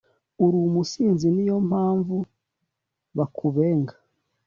Urumusinzi niyompamvu bakubenga